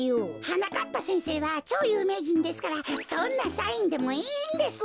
はなかっぱせんせいはちょうゆうめいじんですからどんなサインでもいいんです。